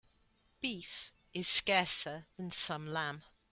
Beef is scarcer than some lamb.